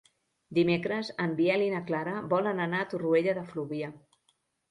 Dimecres en Biel i na Clara volen anar a Torroella de Fluvià.